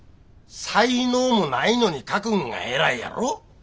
才能もないのに書くんが偉いやろ。